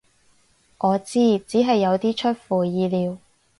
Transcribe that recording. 我知，只係有啲出乎意料